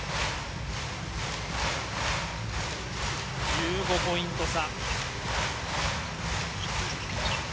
１５ポイント差。